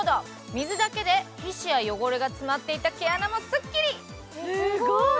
水だけで皮脂や汚れが詰まっていた毛穴もすっきり。